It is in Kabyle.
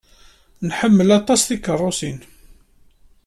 Nḥemmel aṭas tikeṛṛusin.